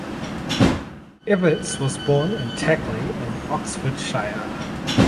Evetts was born at Tackley in Oxfordshire.